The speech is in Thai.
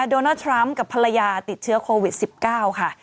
โดนัลดทรัมป์กับภรรยาติดเชื้อโควิด๑๙ค่ะ